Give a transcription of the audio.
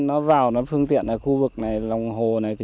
nó vào nó phương tiện ở khu vực này lòng hồ này